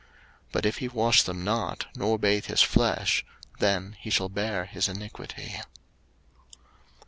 03:017:016 But if he wash them not, nor bathe his flesh; then he shall bear his iniquity.